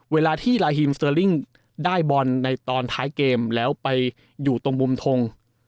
เวลาที่ลาฮิมเซอร์ลิ่งได้บอลในตอนท้ายเกมแล้วไปอยู่ตรงมุมทง